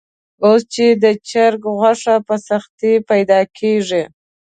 اوس چې د چرګ غوښه په سختۍ پیدا کېږي.